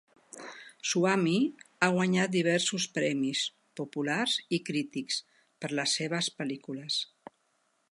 Swamy ha guanyat diversos premis, populars i crítics, per les seves pel·lícules.